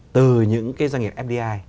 từ những cái doanh nghiệp fdi